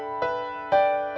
sampai jumpa lagi